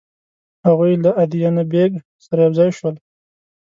هغوی له ادینه بېګ سره یو ځای شول.